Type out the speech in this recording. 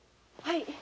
はい。